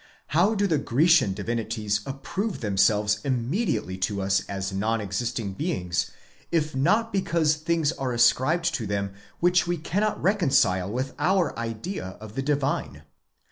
How do the Grecian divinities approve themselves immediately to us as non existing beings, if not because things are ascribed to them which we cannot reconcile with our idea of the divine?